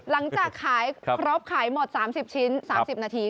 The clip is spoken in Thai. หลังจากขายครบขายหมด๓๐ชิ้น๓๐นาที